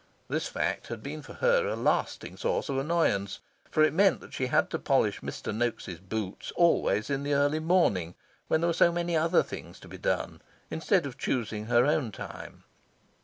This fact had been for her a lasting source of annoyance; for it meant that she had to polish Mr. Noaks' boots always in the early morning, when there were so many other things to be done, instead of choosing her own time.